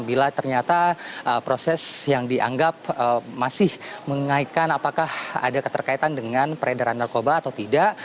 bila ternyata proses yang dianggap masih mengaitkan apakah ada keterkaitan dengan peredaran narkoba atau tidak